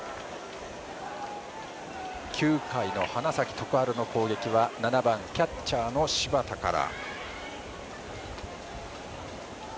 ９回の花咲徳栄の攻撃は７番キャッチャーの柴田から。